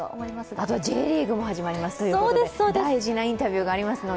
あとはＪリーグが始まりますということで、大事なインタビューがありますので。